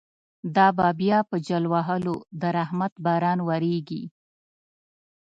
دا به بیا په جل وهلو، د رحمت باران وریږی